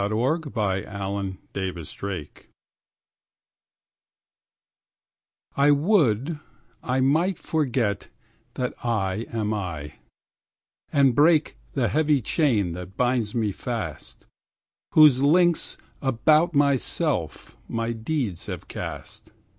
PS 2771 1896 Robarts Library 1I would I might forget that I am I,2And break the heavy chain that binds me fast,3Whose links about myself my deeds have cast.